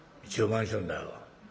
「一応マンションだよ」。